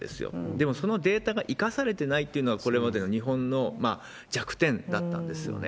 でもそのデータが生かされてないっていうのは、これまでの日本の弱点だったんですよね。